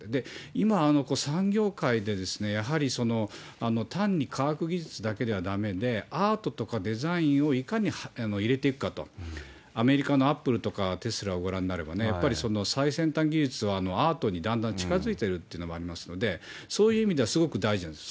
今、産業界でやはり単に科学技術だけではだめで、アートとかデザインをいかに入れていくかと、アメリカのアップルとかテスラをご覧になればね、やっぱり最先端技術はアートにだんだん近づいてるというのがありますので、そういう意味ではすごく大事なんです。